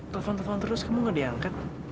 telepon telepon terus kamu gak diangkat